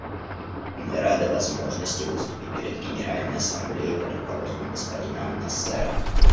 Мы рады возможности выступить перед Генеральной Ассамблеей под руководством господина ан-Насера.